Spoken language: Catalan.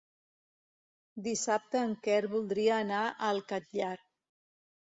Dissabte en Quer voldria anar al Catllar.